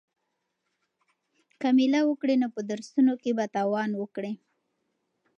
که مېله وکړې نو په درسونو کې به تاوان وکړې.